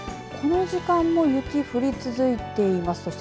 この時間も雪、降り続いています。